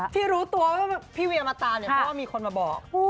ที่รู้ตัวพี่เวียมาตามเพราะว่ามีคนมาบอก